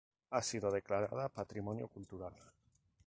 Ha sido declarada patrimonio cultural.